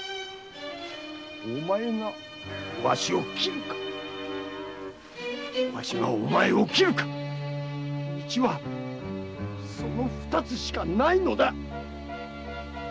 お前がわしを斬るかわしがお前を斬るか道はその二つしかないのだ！